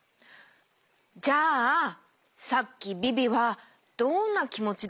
じゃあさっきビビはどんなきもちだったとおもう？